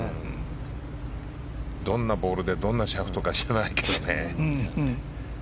どんなボールでどんなシャフトか知らないけどね。